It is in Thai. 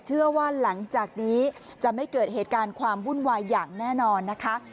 เชื่อว่าหลังจากนี้จะไม่เกิดเหตุการณ์ความวุ่นวายอย่างแน่นอนนะคะ